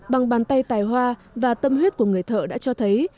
bằng bàn tay tài hoa và tâm huyết của người thợ đã cho thấy